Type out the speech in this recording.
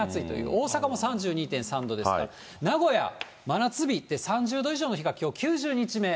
大阪も３２．３度ですから、名古屋、真夏日で３０度以上の日がきょう９０日目。